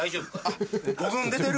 ５軍出てる。